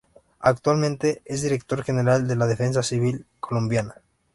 Actualmente es Director General de la Defensa Civil Colombiana.